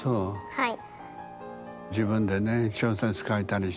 はい。